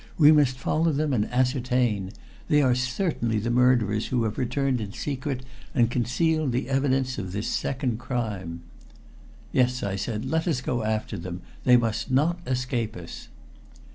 "We must follow them and ascertain. They are certainly the murderers who have returned in secret and concealed the evidence of this second crime." "Yes," I said. "Let us go after them. They must not escape us."